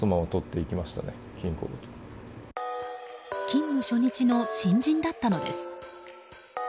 勤務初日の新人だったのです。